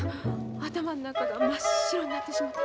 頭の中が真っ白になってしもた。